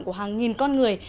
của hàng nghìn con người